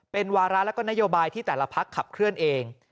เป็นวาระและก็นโยบายที่แต่ละพักขับเคลื่อนเอง